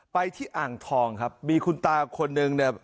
ไปที่อ่างทองครับมีคุณตาคนนึงเนี่ย